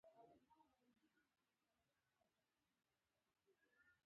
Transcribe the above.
احمد؛ علي په نېښ وواهه.